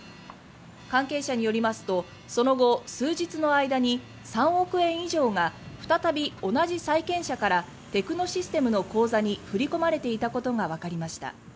関係者によりますとその後、数日の間に３億円以上が再び同じ債権者からテクノシステムの口座に振り込まれていたことがわかりました。